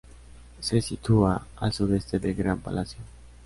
Se sitúa al sudeste del Gran Palacio.